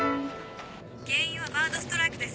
原因はバードストライクです。